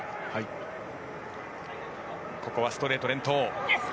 ここはストレート連投。